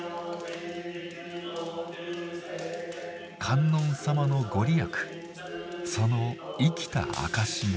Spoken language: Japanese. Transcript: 観音様のご利益その生きた証しが。